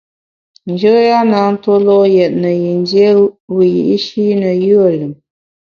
Njoya na tue lo’ yètne yin dié wiyi’shi ne yùe lùm.